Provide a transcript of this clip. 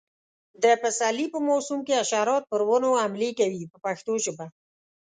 د پسرلي په موسم کې حشرات پر ونو حملې کوي په پښتو ژبه.